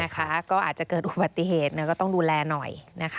ก็อาจจะเกิดอุบัติเหตุก็ต้องดูแลหน่อย